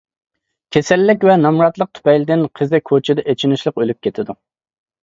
كېسەللىك ۋە نامراتلىق تۈپەيلىدىن قىزى كوچىدا ئېچىنىشلىق ئۆلۈپ كېتىدۇ.